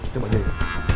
coba jalan dulu